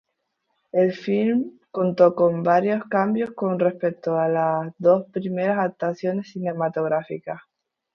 El filme contó con varios cambios con respecto a las dos primeras adaptaciones cinematográficas.